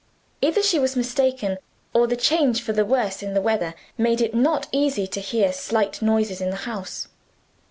Either she was mistaken, or the change for the worse in the weather made it not easy to hear slight noises in the house.